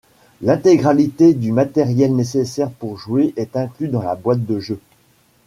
L'intégralité du matériel nécessaire pour jouer est inclus dans la boîte de jeu.